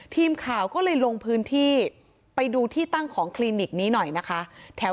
ทีมข่าวก็เลยลงพื้นที่ไปดูที่ตั้งของคลินิกนี้หน่อยนะคะ